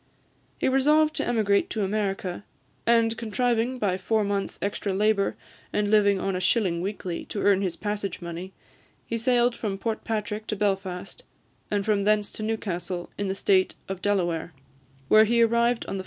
He resolved to emigrate to America; and, contriving by four months' extra labour, and living on a shilling weekly, to earn his passage money, he sailed from Portpatrick to Belfast, and from thence to Newcastle, in the State of Delaware, where he arrived on the 14th July 1794.